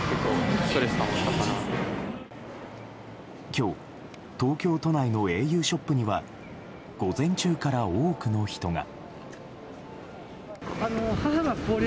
今日、東京都内のａｕショップには午前中から、多くの人が。